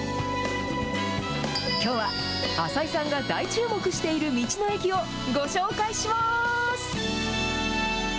きょうは、浅井さんが大注目している道の駅をご紹介します。